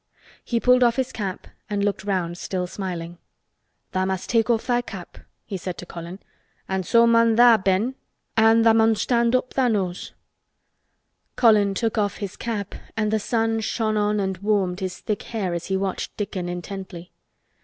He pulled off his cap and looked round still smiling. "Tha' must take off tha' cap," he said to Colin, "an' so mun tha', Ben—an' tha' mun stand up, tha' knows." Colin took off his cap and the sun shone on and warmed his thick hair as he watched Dickon intently.